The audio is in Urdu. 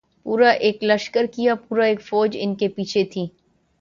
پورا ایک لشکر کیا‘ پوری ایک فوج ان کے پیچھے تھی۔